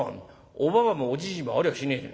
おばばもおじじもありゃしねえ。